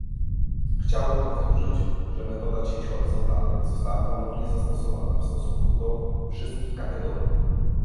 Chciałabym powtórzyć, że metoda cięć horyzontalnych została ponownie zastosowana w stosunku do wszystkich kategorii